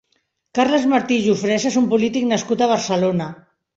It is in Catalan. Carles Martí i Jufresa és un polític nascut a Barcelona.